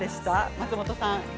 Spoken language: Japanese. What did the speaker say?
松本さん。